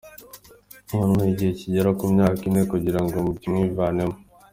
Byantwaye igihe kigera ku myaka ine kugira ngo mwivanemo.